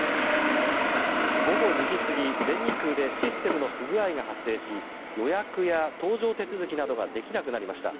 午後２時過ぎ、全日空でシステムの不具合が発生し予約や搭乗手続きなどができなくなりました。